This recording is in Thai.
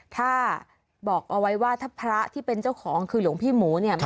ถ้าบอกเอาไว้ว่าถ้าพระที่เป็นเจ้าของคือหลวงพี่หมูเนี่ย